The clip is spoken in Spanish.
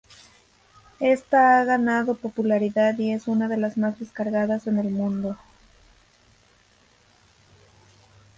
Esta ha ganado popularidad y es una de las más descargadas en el mundo.